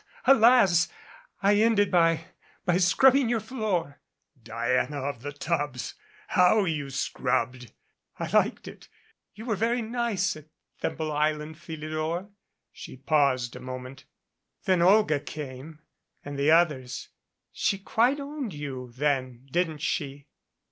Alas ! I ended by by scrubbing your floor." "Diana of the Tubs ! How you scrubbed !" "I liked it. You were very nice at Thimble Island, Philidor." She paused a moment. "Then Olga came and the others. She quite owned you, then, didn't she?"